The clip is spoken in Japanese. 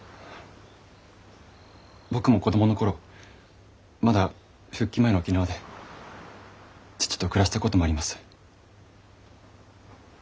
僕も子供の頃まだ復帰前の沖縄で父と暮らしたこともあります。